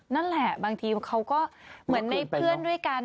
นั่นแหละบางทีเขาก็เหมือนในเพื่อนด้วยกัน